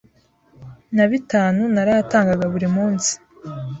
na bitanu narayatangaga buri munsi,